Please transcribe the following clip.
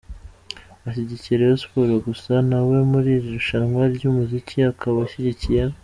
ashyigikiye Rayon sport gusa nawe muri iri rushanwa ryumuziki akaba ashyigikiye.